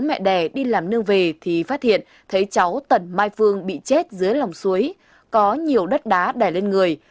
bố mẹ đẻ đi làm nương về thì phát hiện thấy cháu tần mai phương bị chết dưới lòng suối có nhiều đất đá đè lên người